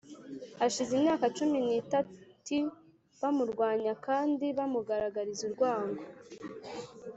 hashize imyaka cumi n’itati bamurwanya kandi bamugaragariza urwango,